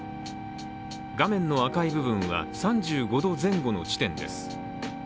画面の赤い部分は３５度前後の地点です。